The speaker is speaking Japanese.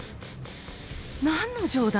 何の冗談？